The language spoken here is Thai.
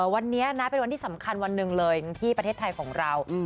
วันนี้นะเป็นวันที่สำคัญวันหนึ่งเลยที่ประเทศไทยของเรา